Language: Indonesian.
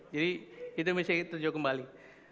jadi itu mesti ditinjau kembali